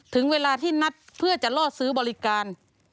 ถึงเวลาที่นัดเพื่อจะล่อซื้อบริการ